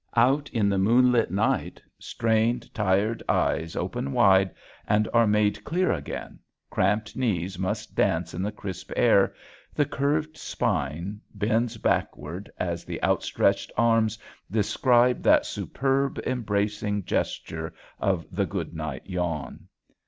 Out in the moonlit night strained, tired eyes open wide and are made clear again, cramped knees must dance in the crisp air, the curved spine bends backward as the upstretched arms describe that superb embracing gesture of the good night yawn.